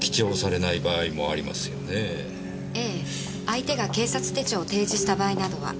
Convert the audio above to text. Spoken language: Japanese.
相手が警察手帳を提示した場合などは。